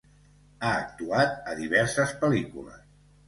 Ha actuat a diverses pel·lícules.